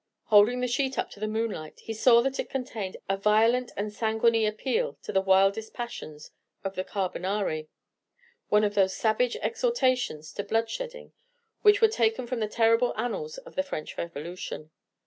Holding the sheet up to the moonlight, he saw that it contained a violent and sanguinary appeal to the wildest passions of the Carbonari, one of those savage exhortations to bloodshedding which were taken from the terrible annals of the French Revolution.